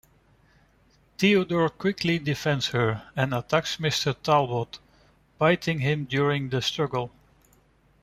Theodore quickly defends her and attacks Mr. Talbot, biting him during the struggle.